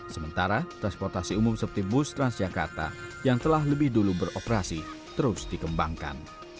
sementara transportasi umum seperti bus transjakarta yang telah lebih dulu beroperasi terus dikembangkan